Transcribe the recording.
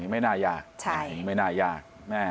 ไม่น่ายากไม่น่ายาก